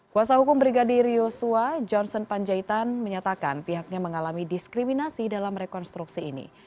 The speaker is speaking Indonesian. kuasa hukum brigadir yosua johnson panjaitan menyatakan pihaknya mengalami diskriminasi dalam rekonstruksi ini